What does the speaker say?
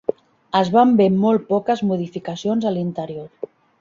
Es van ver molt poques modificacions a l'interior.